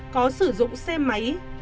có sử dụng xe máy